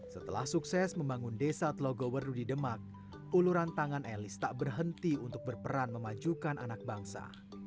setelah sukses membangun desa telogoweru di demak uluran tangan elis tak berhenti untuk berperan memajukan anak bangsa